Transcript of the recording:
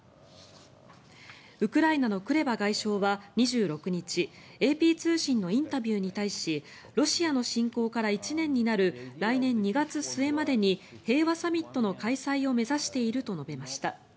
ウクライナのクレバ外相は２６日ＡＰ通信のインタビューに対しロシアの侵攻から１年になる来年２月末までに平和サミットの開催を目指していると述べました。